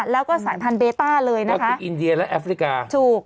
แล้วก็สายพันธุเบต้าเลยนะคะคืออินเดียและแอฟริกาถูก